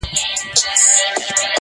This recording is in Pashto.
• له غيرته ډکه مېنه -